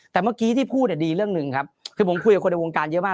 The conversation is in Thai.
แต่เมื่อกี้ที่พูดดีเรื่องหนึ่งครับคือผมคุยกับคนในวงการเยอะมาก